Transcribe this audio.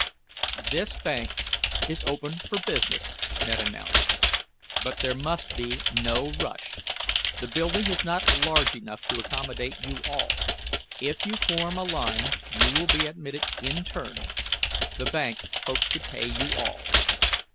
"The bank is open for business," Ned announced, "but there must be no rush. The building is not large enough to accommodate you all. If you form a line, you will be admitted in turn. The bank hopes to pay you all."